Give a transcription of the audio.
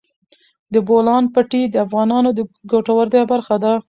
د بولان پټي د افغانانو د ګټورتیا برخه ده.